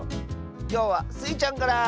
きょうはスイちゃんから！